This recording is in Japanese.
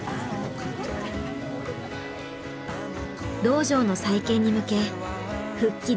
道場の再建に向け復帰